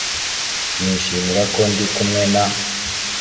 nishimira ko ndi kumwe na